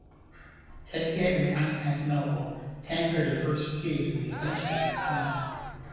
As he had in Constantinople, Tancred at first refused, but he eventually gave in.